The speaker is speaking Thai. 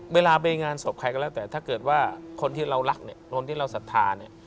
เวลาไปงานศพใครก็แล้วแต่ถ้าเกิดว่าคนที่เรารักเนี่ยคนที่เราศรัทธาเนี่ย